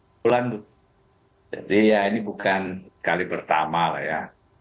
kebetulan jadi ya ini bukan kali pertama lah ya